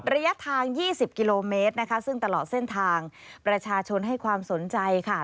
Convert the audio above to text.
ระยะทาง๒๐กิโลเมตรนะคะซึ่งตลอดเส้นทางประชาชนให้ความสนใจค่ะ